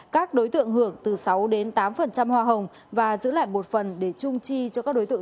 các đối tượng hưởng từ sáu đến tám hoa hồng và giữ lại một phần để trung chi cho các đối tượng